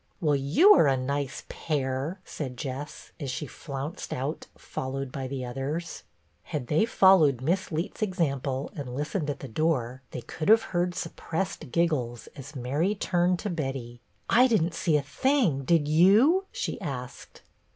" Well, you are a nice pair," said Jess, as she flounced out, followed by the others. Had they followed Miss Leet's example and listened at the door, they could have heard suppressed giggles as Mary turned to Betty. " I did n't see a thing, did you ?" she asked.